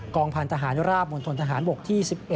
กองพันธุ์ทหารราบบนทนทหารบกที่๑๑